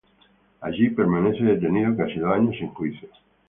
Allí permanece detenido casi dos años sin juicio.